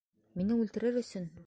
Мине үлтерер өсөн!